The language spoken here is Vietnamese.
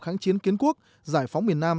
kháng chiến kiến quốc giải phóng miền nam